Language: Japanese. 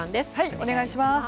お願いします。